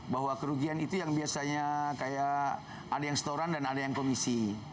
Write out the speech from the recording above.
bahwa kerugian itu yang biasanya kayak ada yang setoran dan ada yang komisi